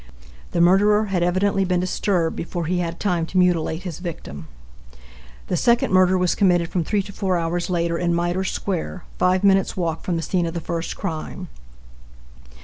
The murderer had evidently been disturbed before he had time to mutilate his victim. The second murder was committed from three to four hours later, in Mitre square, five minutes' walk from the scene of the first crime.